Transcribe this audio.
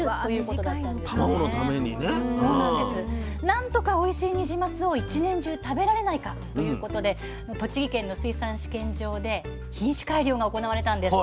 何とかおいしいニジマスを一年中食べられないかということで栃木県の水産試験場で品種改良が行われたんです。